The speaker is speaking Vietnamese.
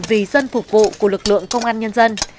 vì dân phục vụ của lực lượng công an nhân dân